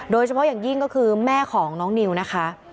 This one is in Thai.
โดยเฉพาะอย่างยิ่งก็คือแม่ของน้องนิวนะคะ